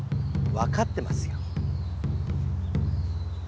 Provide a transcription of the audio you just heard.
わかってますよ。